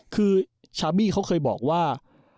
คือชามี่เขาเคยบอกว่า